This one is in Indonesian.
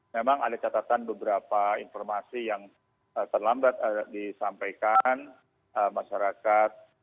memang ada catatan beberapa informasi yang terlambat disampaikan masyarakat